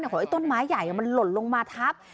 ของไอ้ต้นไม้ใหญ่มันหล่นลงมาทับ